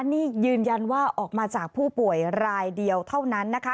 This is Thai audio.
นี่ยืนยันว่าออกมาจากผู้ป่วยรายเดียวเท่านั้นนะคะ